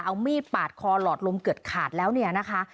เอามีดปาดคอหลอดลมเกือบขาดแล้วเนี่ยนะคะ